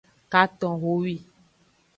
Katonhowi.